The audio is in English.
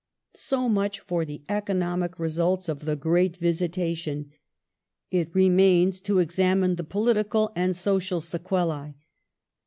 So much for the economic results of the great visitation. It remains to examine the political and social sequelae.